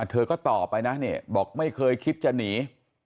เธอก็ต่อไปนะเนี่ยบอกไม่เคยคิดจะหนี